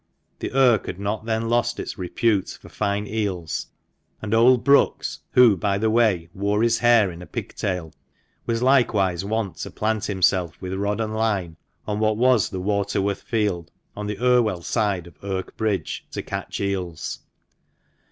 The Irk had not then lost its repute for fine eels, and old Brookes — who, by the way, wore his hair in a pigtail — was likewise wont to plant himself, with rod and line, on what was the Waterworth Field, on the Irwell side of Irk Bridge, to catch eels.